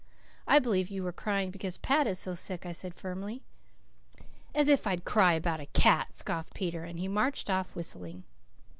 "I believe you were crying because Pat is so sick," I said firmly. "As if I'd cry about a cat!" scoffed Peter. And he marched off whistling.